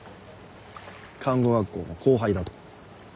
「看護学校の後輩だ」と。